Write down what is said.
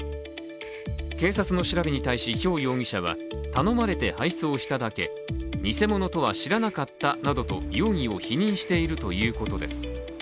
警察の調べに対してヒョウ容疑者は頼まれて配送しただけ偽物とは知らなかったなどと容疑を否認しているということです。